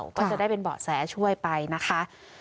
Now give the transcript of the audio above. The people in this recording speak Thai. ก็จะได้เป็นเบาะแสช่วยไปนะคะ